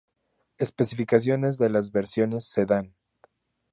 Especificaciones de las versiones sedán.